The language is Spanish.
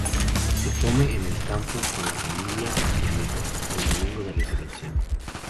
Se come en el campo, con la familia y amigos, el Domingo de Resurrección.